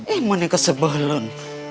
eh mana kesebelan